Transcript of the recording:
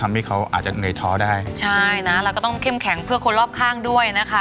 ที่เขาอาจจะเหนื่อยท้อได้ใช่นะเราก็ต้องเข้มแข็งเพื่อคนรอบข้างด้วยนะคะ